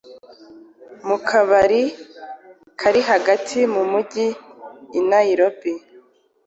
mu kabari kari hagati mu mujyi i Nairobi